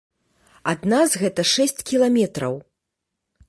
Ад нас гэта шэсць кіламетраў.